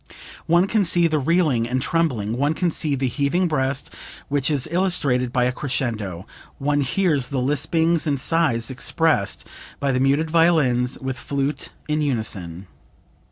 One can see the reeling and trembling, one can see the heaving breast which is illustrated by a crescendo; one hears the lispings and sighs expressed by the muted violins with flute in unison.